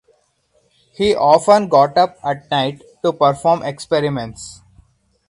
He often got up at night to perform experiments.